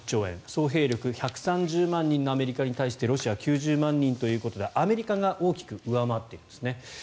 総兵力１３０万人のアメリカに対してロシア、９０万人ということでアメリカが大きく上回っていますね。